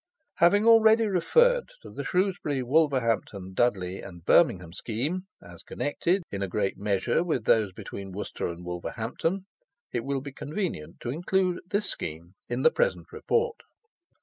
Having already referred to the Shrewsbury, Wolverhampton, Dudley, and Birmingham scheme, as connected, in a great measure, with those between Worcester and Wolverhampton, it will be convenient to include this scheme in the present Report.